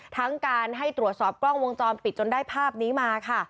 ทั้งการให้ตรวจสอบกล้องวงจรปิดจนได้ภาพนี้มาค่ะ